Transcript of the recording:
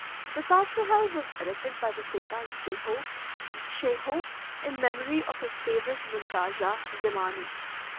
The Taj Mehal was erected by the Sultan Jehoe (Dschehoe), in memory of his favourite muntaza, Zemani.